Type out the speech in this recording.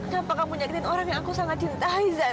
kenapa kamu nyakin orang yang aku sangat cintai zan